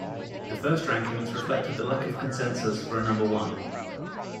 The first rankings reflected the lack of consensus for a number one.